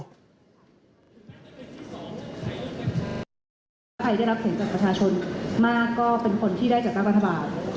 ใครได้รับเสียงจากประชาชนมากก็เป็นคนที่ได้จากกรรภาพค่ะ